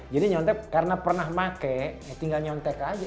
jadi nyontek karena pernah pakai tinggal nyontek aja